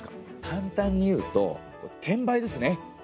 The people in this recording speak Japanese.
簡単に言うと転売ですね。